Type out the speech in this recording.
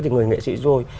thì người nghệ sĩ rồi